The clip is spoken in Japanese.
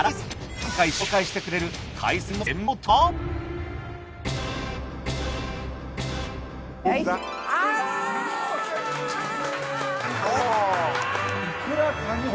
今回紹介してくれる海鮮の全貌とは？